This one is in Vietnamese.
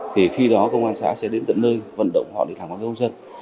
thì khi đó công an xã sẽ đến tận nơi vận động họ để làm báo công dân